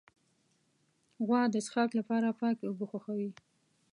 غوا د څښاک لپاره پاکې اوبه خوښوي.